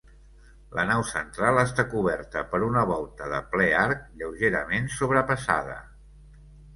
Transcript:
La nau central està coberta per una volta de ple arc lleugerament sobrepassada.